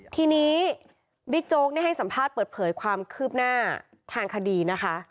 ทีนี้บิ๊กโจ๊กให้สัมภาษณ์เปิดเผยความคืบหน้าทางคดีนะคะ